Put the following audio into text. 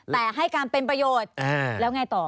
แต่ให้การเป็นประโยชน์แล้วไงต่อ